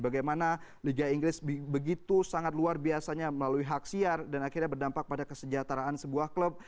bagaimana liga inggris begitu sangat luar biasanya melalui hak siar dan akhirnya berdampak pada kesejahteraan sebuah klub